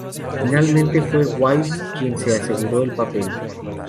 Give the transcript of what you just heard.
Finalmente fue Wilde quien se aseguró el papel.